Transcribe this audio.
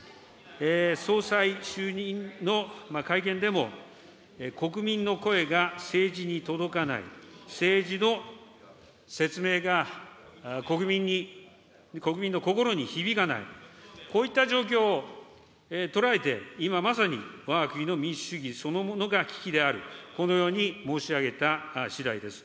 総裁就任の会見でも、国民の声が政治に届かない、政治の説明が国民に、国民の心に響かない、こういった状況を捉えて、今まさに、わが国の民主主義そのものが危機である、このように申し上げたしだいです。